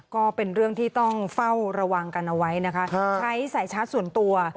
ก็เป็นเรื่องที่ต้องเฝ้าระวังกันเอาไว้นะคะใช้สายชาร์จส่วนตัว